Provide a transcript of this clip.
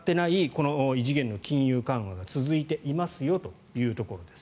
この異次元の金融緩和が続いていますというところです。